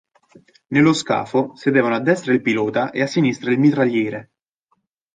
Nello scafo sedevano a destra il pilota e a sinistra il mitragliere.